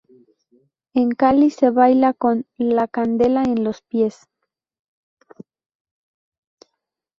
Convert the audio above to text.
En Cali se baila con "la candela en los pies".